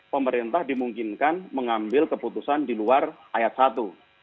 pemerintah dimungkinkan mengambil keputusan di luar ayat satu